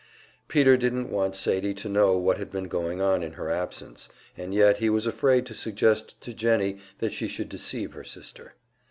Peter didn't want Sadie to know what had been going on in her absence, and yet he was afraid to suggest to Jennie that she should deceive her sister.